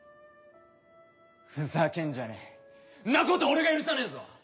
ふざけんじゃねえんなこと俺が許さねえぞ！